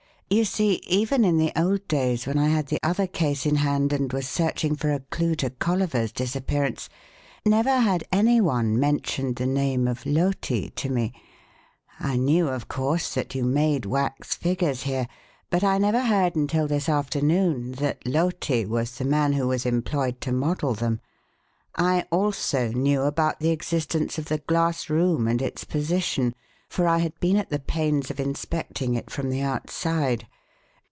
"You see, even in the old days when I had the other case in hand and was searching for a clue to Colliver's disappearance, never had any one mentioned the name of Loti to me. I knew, of course, that you made wax figures here, but I never heard until this afternoon that Loti was the man who was employed to model them. I also knew about the existence of the glass room and its position, for I had been at the pains of inspecting it from the outside.